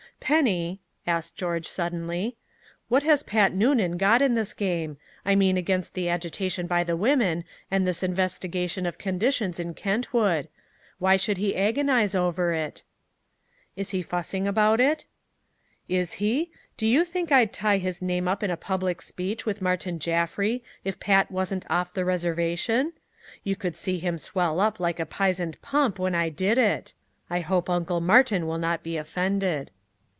"Penny," asked George suddenly, "what has Pat Noonan got in this game I mean against the agitation by the women and this investigation of conditions in Kentwood? Why should he agonize over it?" "Is he fussing about it?" "Is he? Do you think I'd tie his name up in a public speech with Martin Jaffry if Pat wasn't off the reservation? You could see him swell up like a pizened pup when I did it! I hope Uncle Martin will not be offended."